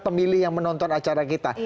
pemilih yang menonton acara kita